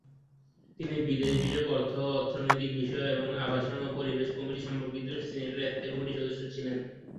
তিনি বিদেশ বিষয়ক, অর্থ ও অর্থনৈতিক বিষয় এবং আবাসন ও পরিবেশ কমিটি সম্পর্কিত সিনেটের স্থায়ী কমিটির সদস্য ছিলেন।